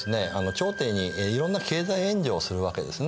朝廷にいろんな経済援助をするわけですね。